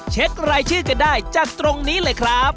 เช็ครายชื่อกันได้จากตรงนี้เลยครับ